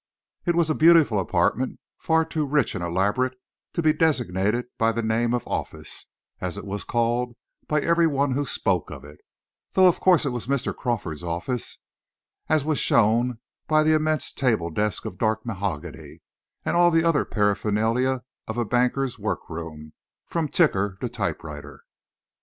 It was a beautiful apartment, far too rich and elaborate to be designated by the name of "office," as it was called by every one who spoke of it; though of course it was Mr. Crawford's office, as was shown by the immense table desk of dark mahogany, and all the other paraphernalia of a banker's work room, from ticker to typewriter.